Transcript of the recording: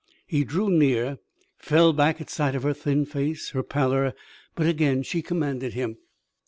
He drew near, fell back at sight of her thin face, her pallor; but again she commanded him.